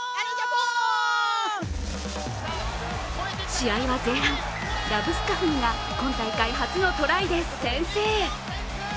試合は前半、ラブスカフニが今大会初のトライで先制。